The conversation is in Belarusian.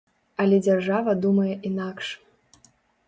Але дзяржава думае інакш.